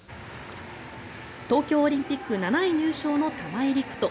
東京オリンピック７位入賞の玉井陸斗。